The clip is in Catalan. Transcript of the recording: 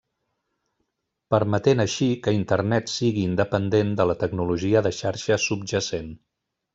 Permetent així que Internet sigui independent de la tecnologia de xarxa subjacent.